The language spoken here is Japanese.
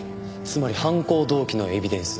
つまり犯行動機のエビデンス。